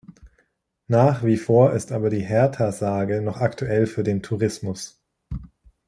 Nach wie vor ist aber die Hertha-Sage noch aktuell für den Tourismus.